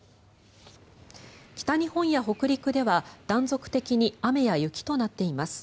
北日本や北陸では断続的に雨や雪となっています。